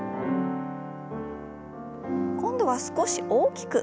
今度は少し大きく。